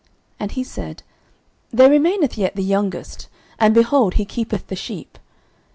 And he said, There remaineth yet the youngest, and, behold, he keepeth the sheep.